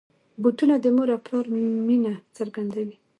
بوټونه د مور او پلار مینه څرګندوي.